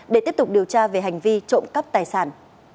để tiếp tục điều tra về hành vi trộm cắp tài sản